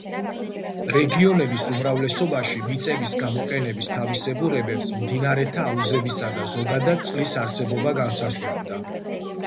რეგიონების უმრავლესობაში მიწების გამოყენების თავისებურებებს მდინარეთა აუზებისა და, ზოგადად, წყლის არსებობა განსაზღვრავდა.